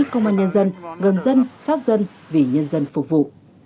công an nhân dân gần dân sát dân vì nhân dân phục vụ